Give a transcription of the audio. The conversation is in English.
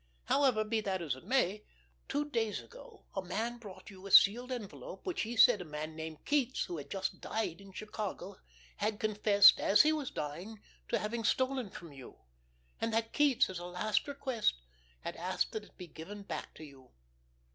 However, be that as it may, two days ago a man brought you a sealed envelope, which he said a man named Keats, who had just died in Chicago, had confessed, as he was dying, to have stolen from you, and that Keats, as a last request, had asked that it be given back to you.